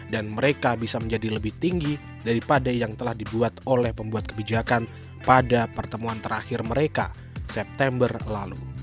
dan mereka bisa menjadi lebih tinggi daripada yang telah dibuat oleh pembuat kebijakan pada pertemuan terakhir mereka september lalu